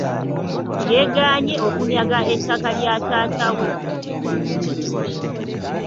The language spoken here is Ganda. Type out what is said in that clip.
Yeegaanye okunyaga ettaka lya taata we.